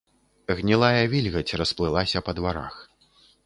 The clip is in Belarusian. Гнілая вільгаць расплылася па дварах.